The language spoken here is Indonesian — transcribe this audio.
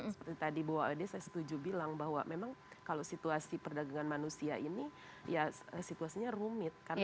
seperti tadi bahwa dia saya setuju bilang bahwa memang kalau situasi perdagangan manusia ini ya situasinya rumit